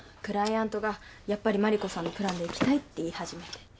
クライアントがやっぱり万里子さんのプランでいきたいって言い始めて。